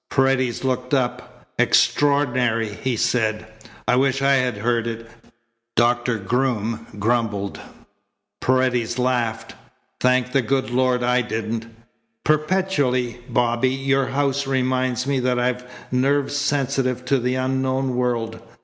Paredes looked up. "Extraordinary!" he said. "I wish I had heard it," Doctor Groom grumbled. Paredes laughed. "Thank the good Lord I didn't. Perpetually, Bobby, your house reminds me that I've nerves sensitive to the unknown world.